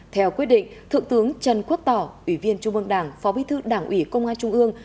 theo quyết định thượng tướng trần quốc tỏ ủy viên trung ương đảng phó bí thư đảng ủy công an trung ương